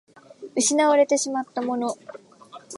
失われてしまったもの